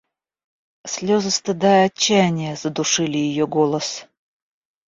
Слезы стыда и отчаяния задушили ее голос.